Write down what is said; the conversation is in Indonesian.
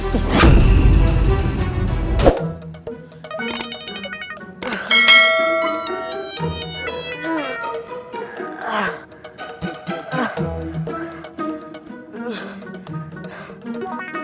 terjadi di rumahmu